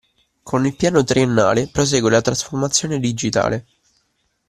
Con il Piano Triennale prosegue la trasformazione digitale